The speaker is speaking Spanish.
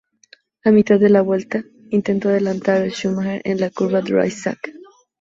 A mitad de la vuelta, intentó adelantar a Schumacher en la "Curva Dry Sack".